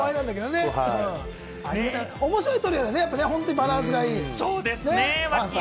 面白いトリオだよね、バランスがいい。